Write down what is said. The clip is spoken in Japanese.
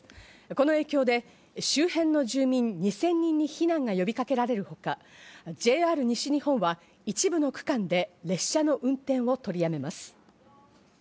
この影響で周辺の住民２０００人に避難が呼びかけられるほか、ＪＲ西日本は一部の区間で列車の運転を取りやめます。